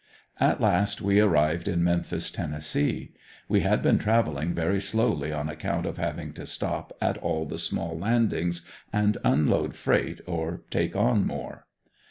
At last we arrived in Memphis, Tenn. We had been traveling very slowly on account of having to stop at all the small landings and unload freight or take on more.